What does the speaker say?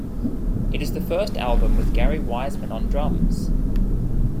It is the first album with Gary Wiseman on drums.